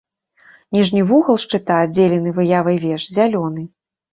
Ніжні вугал шчыта, аддзелены выявай веж, зялёны.